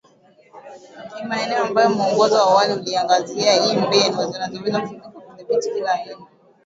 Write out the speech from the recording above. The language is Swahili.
kimaeneo ambayo mwongozo wa awali uliangazia iii mbinu zinazoweza kutumika kudhibiti kila aina